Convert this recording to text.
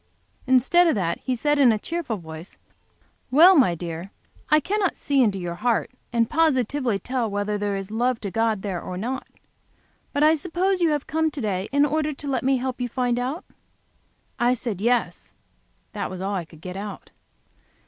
Instead of that he said, in a cheerful voice, "Well, my dear, I cannot see into your heart and positively tell whether there is love to God there or not. But I suppose you have come here to day in order to let me help you to find out?" I said, "Yes"; that was all I could get out.